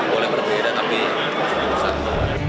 boleh berbeda tapi harus bersatuan